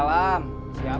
bapak bisa mencoba